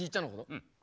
うん。